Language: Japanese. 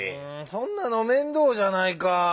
そんなの面倒じゃないかぁ。